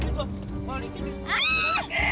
nih balikin duit gua